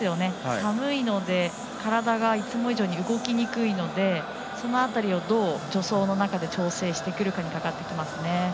寒いので体がいつも以上に動きにくいのでその辺りを、どう助走の中で調整してくるかにかかってきます。